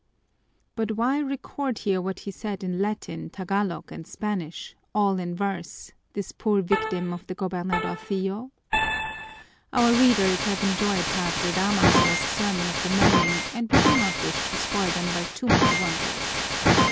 But why record here what he said in Latin, Tagalog, and Spanish, all in verse this poor victim of the gobernadorcillo? Our readers have enjoyed Padre Damaso's sermon of the morning and we do not wish to spoil them by too many wonders.